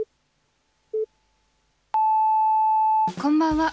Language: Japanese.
こんばんは。